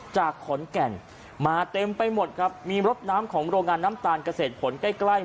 จากขอนแก่นมาเต็มไปหมดครับมีรถน้ำของโรงงานน้ำตาลเกษตรผลใกล้ใกล้